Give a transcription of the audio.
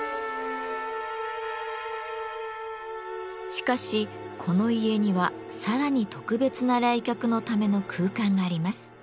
しかしこの家にはさらに特別な来客のための空間があります。